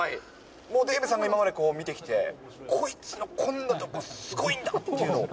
もうデーブさんが今まで見てきて、こいつのこんなところ、すごいんだっていうのを。